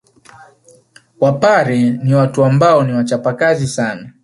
Wapare ni watu ambao ni wachapakazi sana